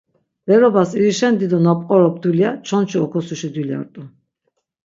Berobas irişen dido na pqorop dulya, çonçi okosuşi dulya rt̆u.